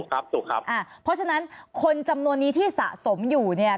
ถูกครับอ่าเพราะฉะนั้นคนจำนวนนี้ที่สะสมอยู่เนี่ย